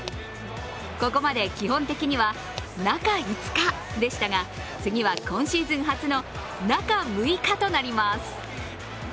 ここまで基本的には中５日でしたが次は今シーズン初の中６日となります。